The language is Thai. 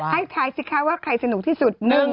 ท้ายสิคะว่าใครสนุกที่สุด